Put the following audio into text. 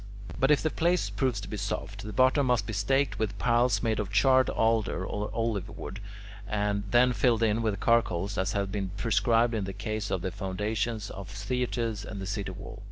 But if the place proves to be soft, the bottom must be staked with piles made of charred alder or olive wood, and then filled in with charcoal as has been prescribed in the case of the foundations of theatres and the city wall.